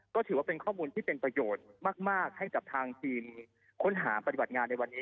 ก็ถือว่าเป็นข้อมูลที่เป็นประโยชน์มากให้กับทางทีมค้นหาปฏิบัติงานในวันนี้